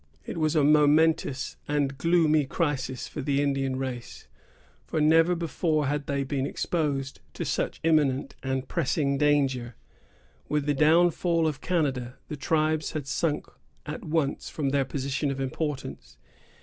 It was a momentous and gloomy crisis for the Indian race, for never before had they been exposed to such imminent and pressing danger. With the downfall of Canada, the tribes had sunk at once from their position of importance.